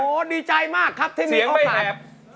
โอ้โหดีใจมากครับที่มีโอกาส